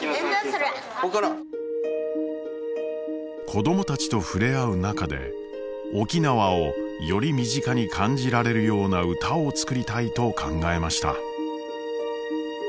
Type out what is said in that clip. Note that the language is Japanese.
子どもたちと触れ合う中で「沖縄」をより身近に感じられるような歌を作りたいと考えました。